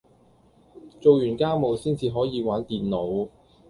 做完家務先至可以玩電腦